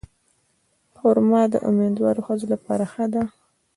خرما د امیندوارو ښځو لپاره ښه ده.